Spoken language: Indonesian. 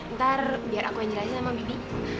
ntar biar aku yang jelasin sama bibi